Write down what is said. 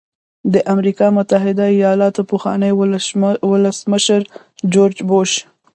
د امریکا متحده ایالاتو پخواني ولسمشر جورج بوش.